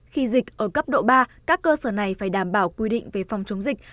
khi dịch ở cấp độ ba các cơ sở này phải đảm bảo quy định về phòng chống dịch